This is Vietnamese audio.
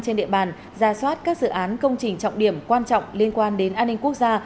trên địa bàn ra soát các dự án công trình trọng điểm quan trọng liên quan đến an ninh quốc gia